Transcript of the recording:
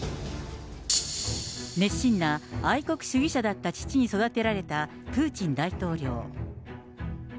熱心な愛国主義者だった父に育てられたプーチン大統領。